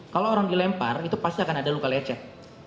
kalau orang dilempar itu pasti akan ada luka lecet